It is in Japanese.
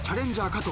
加藤